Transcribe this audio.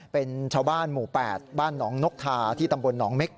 เป็นชาวบ้านหมู่๘บ้านหนองนกทาที่ตำบลหนองเม็ก